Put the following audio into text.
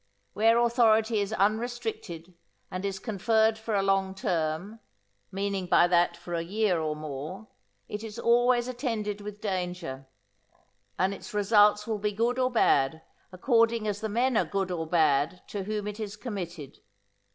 Where authority is unrestricted and is conferred for a long term, meaning by that for a year or more, it is always attended with danger, and its results will be good or bad according as the men are good or bad to whom it is committed.